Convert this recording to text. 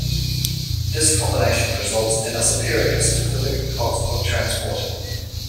This combination results in a superior "specific cost of transport".